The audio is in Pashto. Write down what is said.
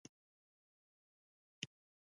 رومیان له بوی نه پېژندل کېږي